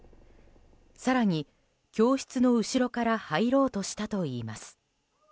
更に、教室の後ろから入ろうとしたといいます。